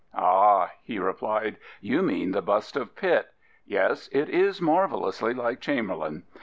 Ah/' he replied; " you mean the bust of Pitt. Yes, it is marvellously like Chamberlain.